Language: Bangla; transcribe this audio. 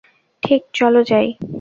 ঠিক, চল যাই।